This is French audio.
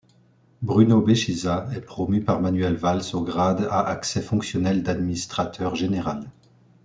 Bruno Beschizza est promu par Manuel Valls au grade à accès fonctionnel d'administrateur général.